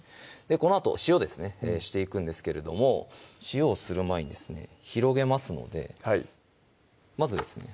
このあと塩ですねしていくんですけれども塩をする前にですね広げますのでまずですね